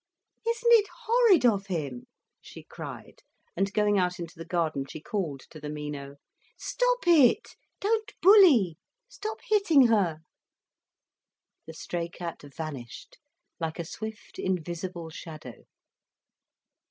"Isn't it horrid of him!" she cried; and going out into the garden she called to the Mino: "Stop it, don't bully. Stop hitting her." The stray cat vanished like a swift, invisible shadow.